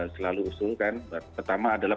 selalu usulkan pertama adalah